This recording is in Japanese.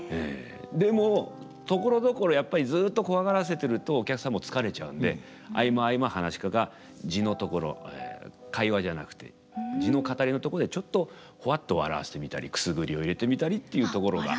でもところどころやっぱりずっとコワがらせてるとお客さんも疲れちゃうんで合間合間噺家が地のところ会話じゃくて地の語りのとこでちょっとほわっと笑わせてみたりくすぐりを入れてみたりっていうところが。